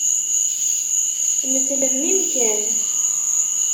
Nettlemmim kan.